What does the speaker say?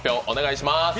お願いします。